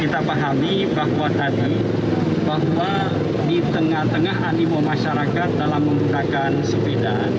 kita pahami bahwa tadi bahwa di tengah tengah animo masyarakat dalam menggunakan sepeda